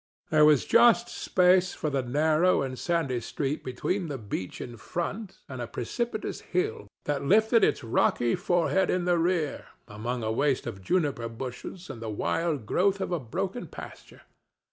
There was just space for the narrow and sandy street between the beach in front and a precipitous hill that lifted its rocky forehead in the rear among a waste of juniper bushes and the wild growth of a broken pasture.